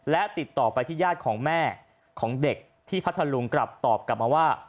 และติดต่อไปที่ญาติของแม่ของเด็กที่พัทธลุงกลับตอบกลับมาว่า